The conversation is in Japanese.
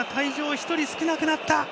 １人少なくなった。